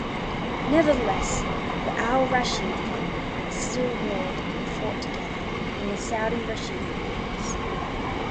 Nevertheless, The Al Rasheed Family still ruled and fought together in the Saudi-Rashidi Wars.